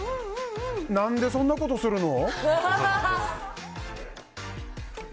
何でそんなことするの？